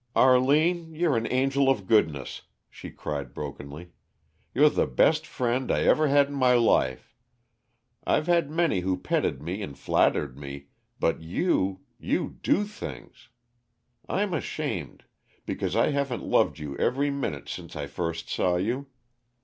"Arline, you're an angel of goodness!" she cried brokenly. "You're the best friend I ever had in my life I've had many who petted me and flattered me but you you do things! I'm ashamed because I haven't loved you every minute since I first saw you.